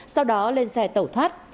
sau đó lên xe tẩu thoát